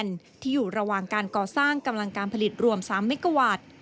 ที่อยู่ระหว่างการก่อสร้างกำลังการผลิตรวม๓เมกาวัตต์